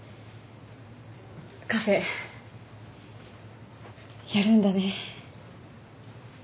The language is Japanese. カフェやるんだね